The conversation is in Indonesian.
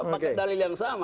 pakai dalil yang sama